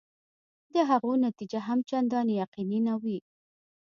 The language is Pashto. د هغو نتیجه هم چنداني یقیني نه وي.